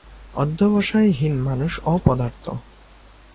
অধ্যবসায়হীন মানুষ অপদার্থ।